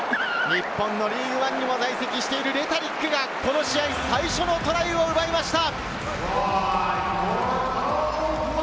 日本のリーグワンにも在籍しているレタリックが最初のトライを奪いました！